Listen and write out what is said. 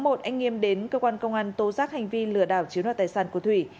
một anh nghiêm đến cơ quan công an tố giác hành vi lừa đảo chiếm đoạt tài sản của thủy